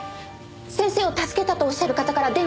先生を助けたとおっしゃる方から電話です。